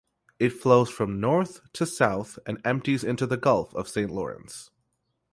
It flows from north to south and empties into the Gulf of Saint Lawrence.